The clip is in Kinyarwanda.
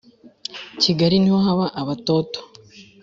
kigali niho haba abatoto